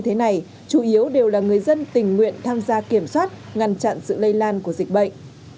thế này chủ yếu đều là người dân tình nguyện tham gia kiểm soát ngăn chặn sự lây lan của dịch bệnh